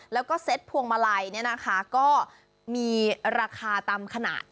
แล้วก็เซ็ตพวงมาลัยเนี่ยนะคะก็มีราคาตามขนาด